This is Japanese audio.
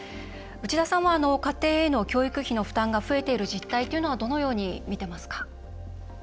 内田さんは家庭への教育費の負担が増えている実態というのはどのように見てますか？